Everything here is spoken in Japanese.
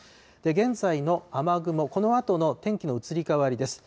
現在の雨雲、このあとの天気の移り変わりです。